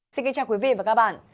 xin kính chào quý vị và các bạn